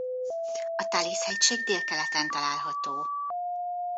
A Talis-hegység délkeleten található.